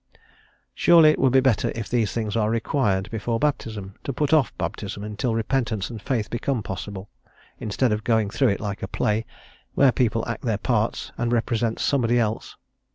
Surely it would be better if these things are "required" before baptism, to put off baptism until repentance and faith become possible, instead of going through it like a play, where people act their parts and represent somebody else.